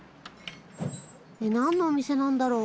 何のお店なんだろう？